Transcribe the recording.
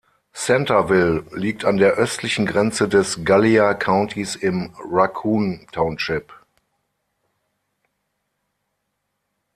Centerville liegt an der östlichen Grenze des Gallia Countys im Raccoon Township.